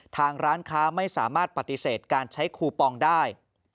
ทางร้านค้าไม่สามารถปฏิเสธการใช้คูปองได้